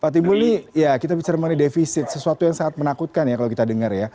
pak timbul kita bicara mengenai defisit sesuatu yang sangat menakutkan kalau kita dengar